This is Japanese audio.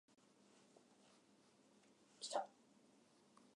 木からりんごが落ちた